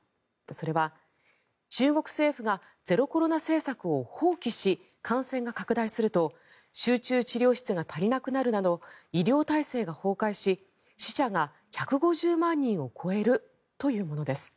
それは、中国政府がゼロコロナ政策を放棄し感染が拡大すると集中治療室が足りなくなるなど医療体制が崩壊し死者が１５０万人を超えるというものです。